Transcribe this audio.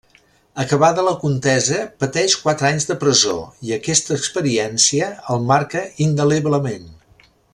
Acabada la contesa, pateix quatre anys de presó, i aquesta experiència el marca indeleblement.